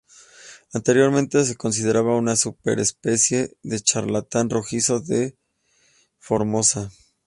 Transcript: Anteriormente se consideraba una subespecie del charlatán rojizo de Formosa.